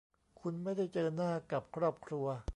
คุณไม่ได้เจอหน้ากับครอบครัว